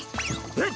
えっ？